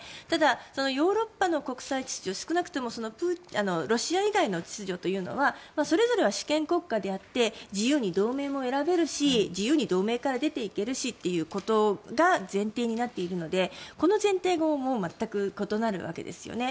ただ、ヨーロッパの国際秩序少なくともロシア以外の秩序というのはそれぞれは主権国家であって自由に同盟も選べるし自由に同盟から出ていけるしということが前提になっているのでこの前提が全く異なるわけです。